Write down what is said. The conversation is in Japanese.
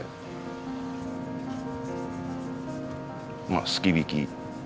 まあすき引き。